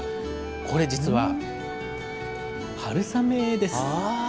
これ実は、春雨です。